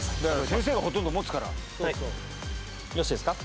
先生がほとんど持つからよろしいですか？